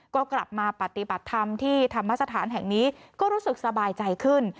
ก็กลับมาปฏิบัติธรรมที่ธรรมสถานแห่งนี้ก็รู้สึกสบายใจขึ้น